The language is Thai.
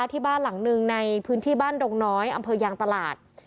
ที่บ้านหลังหนึ่งในพื้นที่บ้านดงน้อยอำเภอยางตลาด